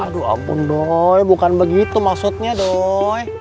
aduh ampun doi bukan begitu maksudnya doi